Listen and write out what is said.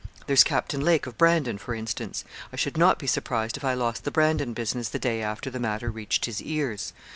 There's Captain Lake, of Brandon, for instance I should not be surprised if I lost the Brandon business the day after the matter reached his ears.